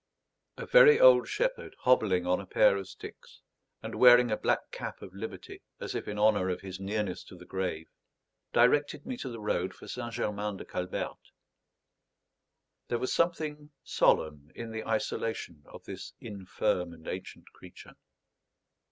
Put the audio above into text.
A very old shepherd, hobbling on a pair of sticks, and wearing a black cap of liberty, as if in honour of his nearness to the grave, directed me to the road for St. Germain de Calberte. There was something solemn in the isolation of this infirm and ancient creature.